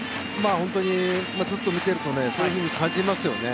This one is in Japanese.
本当にずっと見ていると、そういうふうに感じますよね。